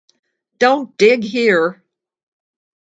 Don't dig here.